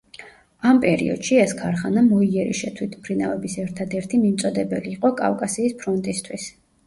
ამ პერიოდში ეს ქარხანა მოიერიშე თვითმფრინავების ერთადერთი მიმწოდებელი იყო კავკასიის ფრონტისთვის.